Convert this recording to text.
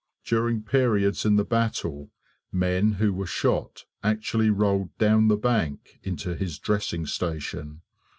During periods in the battle men who were shot actually rolled down the bank into his dressing station.